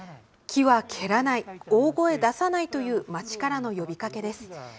「木は蹴らない、大声出さない」という町からの呼びかけです。